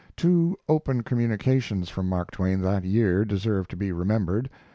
Two open communications from Mark Twain that year deserve to be remembered.